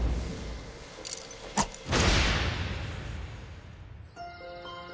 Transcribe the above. あっ。